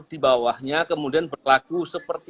dibawahnya kemudian berlaku seperti